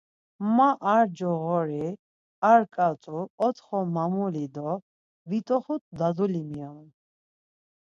Ma ar coğori, ar ǩat̆u, otxo mamuli do vit̆oxut daduli miyonun.